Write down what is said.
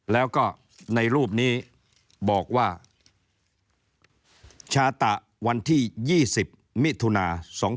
แล้วก็ในรูปนี้บอกว่าชาตะวันที่๒๐มิถุนา๒๕๖